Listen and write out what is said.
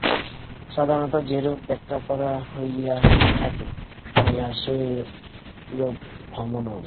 সাধারণত যেরূপ ব্যাখ্যা করা হইয়া থাকে, মায়া সেরূপ ভ্রম নয়।